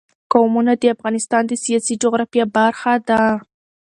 قومونه د افغانستان د سیاسي جغرافیه برخه ده.